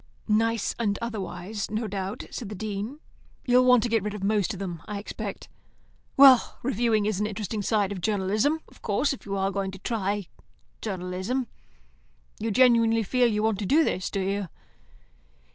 "Nice and otherwise, no doubt," said the Dean. "You'll want to get rid of most of them, I expect. Well, reviewing is an interesting side of journalism, of course, if you are going to try journalism. You genuinely feel you want to do this, do you?"